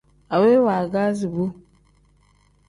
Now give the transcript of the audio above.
Aweyi waagazi bu.